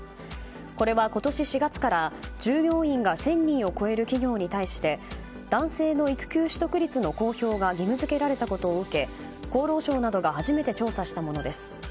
これは、今年４月から従業員が１０００人を超える企業に対して男性の育休取得率の公表が義務付けられたことを受け厚労省などが初めて調査したものです。